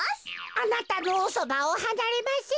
「あなたのおそばをはなれません」